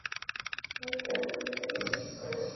ভয় পেয়ো না, বেচারি মেয়ে হয়তো এখন একই বিড়ম্বনা আছে।